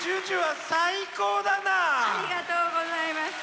ありがとうございます。